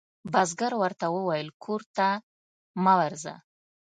بزګر ورته وویل کور ته مه ورځه.